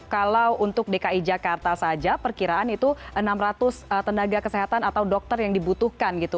kalau untuk dki jakarta saja perkiraan itu enam ratus tenaga kesehatan atau dokter yang dibutuhkan gitu